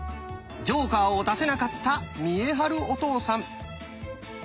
ジョーカーを出せなかった見栄晴お父さん。